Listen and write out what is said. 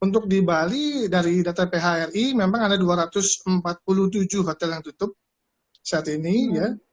untuk di bali dari data phri memang ada dua ratus empat puluh tujuh hotel yang tutup saat ini ya